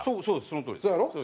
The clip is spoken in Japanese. そのとおりです。